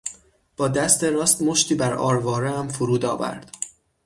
با دست راست مشتی بر آروارهام فرود آورد.